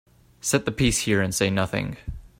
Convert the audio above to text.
Set the piece here and say nothing.